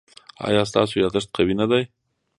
ایا ستاسو یادښت قوي نه دی؟